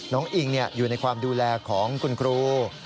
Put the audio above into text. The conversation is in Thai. อิงอยู่ในความดูแลของคุณครู